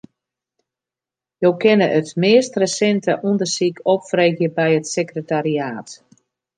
Jo kinne it meast resinte ûndersyk opfreegje by it sekretariaat.